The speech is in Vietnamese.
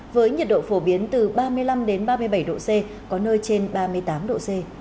với nhiệt độ phổ biến từ ba mươi năm ba mươi bảy độ c có nơi trên ba mươi tám độ c